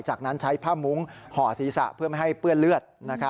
จากนั้นใช้ผ้ามุ้งห่อศีรษะเพื่อไม่ให้เปื้อนเลือด